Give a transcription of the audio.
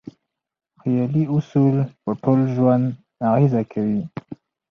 خیالي اصول په ټول ژوند اغېزه کوي.